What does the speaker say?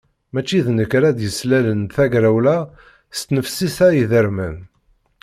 Mačči d nekk ara d-yeslalen tagrawla s tnefsit-a idermen.